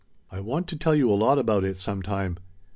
I want to tell you a lot about it sometime.